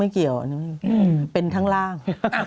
เกี่ยวเป็นทั้งล่าง